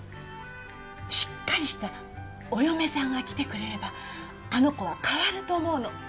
しっかりしたお嫁さんが来てくれればあの子は変わると思うの。